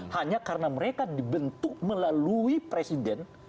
hanya karena mereka dibentuk melalui presiden